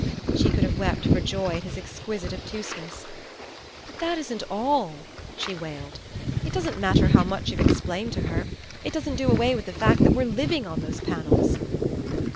She could have wept for joy at his exquisite obtuseness. "But that isn't all," she wailed. "It doesn't matter how much you've explained to her. It doesn't do away with the fact that we're living on those panels!"